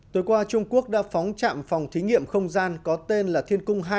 tối qua trung quốc đã phóng trạm phòng thí nghiệm không gian có tên là thiên cung hai